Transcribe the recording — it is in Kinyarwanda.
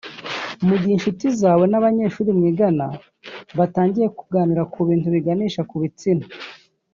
Mu gihe incuti zawe n’abanyeshuri mwigana batangiye kuganira ibintu biganisha ku bitsina